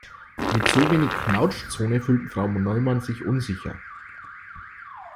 Mit so wenig Knautschzone fühlt Frau Neumann sich unsicher.